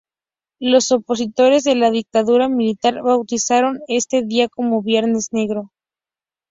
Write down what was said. Los opositores de la Dictadura Militar bautizaron este día como Viernes Negro.